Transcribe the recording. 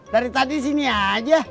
dari tadi sini aja